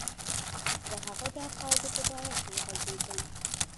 د هغه د عقایدو په باره کې وږغېږم.